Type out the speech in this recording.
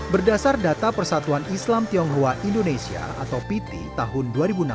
berdasar data persatuan islam tionghoa indonesia atau piti tahun dua ribu enam belas